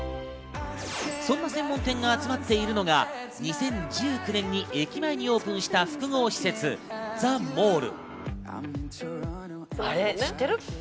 そんな専門店が集まっているのが２０１９年に駅前にオープンした複合施設ザ・モール。